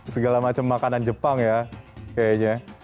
segala macam makanan jepang ya kayaknya